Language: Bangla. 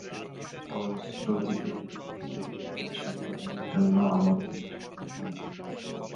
ফলশ্রুতিতে দক্ষিণ আফ্রিকা সফরের জন্য আমন্ত্রিত হন।